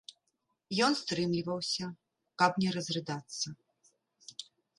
Ён стрымліваўся, каб не разрыдацца.